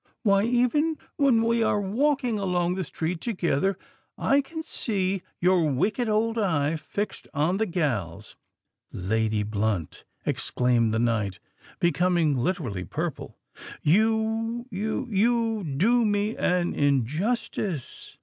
Why, even when we are walking along the street together, I can see your wicked old eye fixed on the gals——" "Lady Blunt!" exclaimed the knight, becoming literally purple; "you—you—you do me an injustice!"